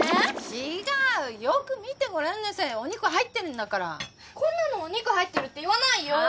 違うよく見てごらんなさいお肉入ってるんだからこんなのお肉入ってるって言わないよ